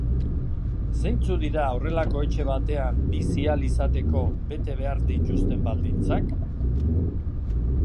Zeintzuk dira horrelako etxe batean bizi ahal izateko bete behar dituzten baldintzak?